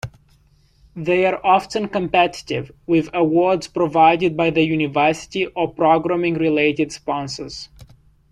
They are often competitive, with awards provided by the University or programming-related sponsors.